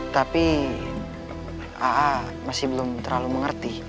tapi aa masih belum terlalu mengerti